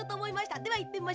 ではいってみましょう。